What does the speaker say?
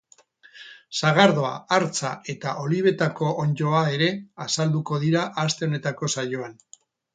Sagardoa, hartza eta olibetako onddoa ere azalduko dira aste honetako saioan.